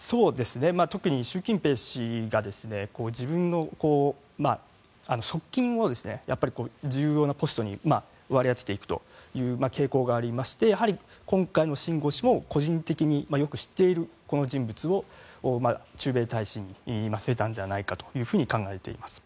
特に、習近平氏が自分の側近を重要なポストに割り当てていくという傾向がありましてやはり今回のシン・ゴウ氏も個人的によく知っているこの人物を駐米大使に据えたのではないかと考えています。